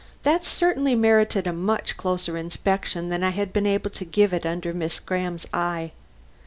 That certainly merited a much closer inspection than I had been able to give it under Miss Graham's eye.